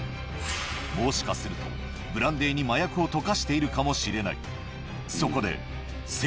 もしかすると、ブランデーに麻薬を溶かしているかもしれない。